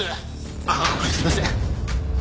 ああすいません。